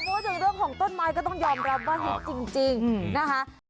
แต่พูดอย่างเรื่องของต้นไม้ก็ต้องยอมรับว่าเฮ็บจริงนะคะ